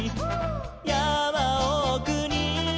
「やまおくに」